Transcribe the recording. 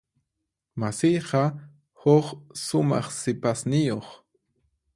Masiyqa huk sumaq sipasniyuq.